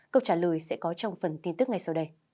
câu trả lời sẽ có trong phần tin tức ngay sau đây